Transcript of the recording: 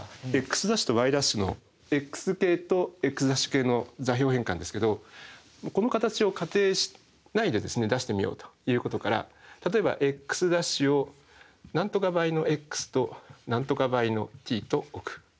ｘ′とｙ′のｘ系とｘ′系の座標変換ですけどこの形を仮定しないで出してみようということから例えばｘ′を何とか倍のｘと何とか倍のｔと置く。